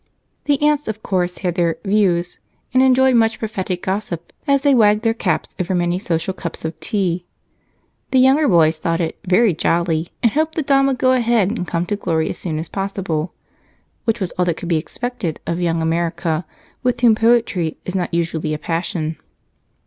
The aunts of course had their "views," and enjoyed much prophetic gossip as they wagged their caps over many social cups of tea. The younger boys thought it "very jolly," and hoped the Don would "go ahead and come to glory as soon as possible," which was all that could by expected of "Young America," with whom poetry is not usually a passion.